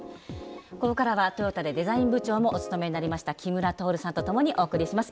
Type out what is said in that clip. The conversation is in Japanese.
ここからはトヨタでデザイン部長もお務めになりました木村徹さんと共にお送りします。